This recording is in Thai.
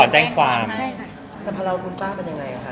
สังพวันเราคุณบ้านเป็นอย่างไรคะ